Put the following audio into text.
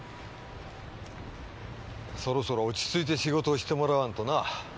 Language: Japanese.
そろそろ落ち着いて仕事をしてもらわんとな。